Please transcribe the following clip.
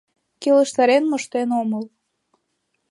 Келыштарен моштен омыл.